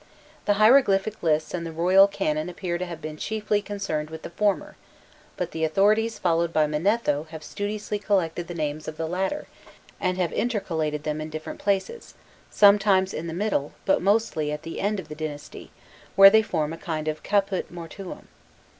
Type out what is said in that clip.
The hieroglyphic lists and the Royal Canon appear to have been chiefly concerned with the former; but the authorities followed by Manetho have studiously collected the names of the latter, and have intercalated them in different places, sometimes in the middle, but mostly at the end of the dynasty, where they form a kind of caput mortuum.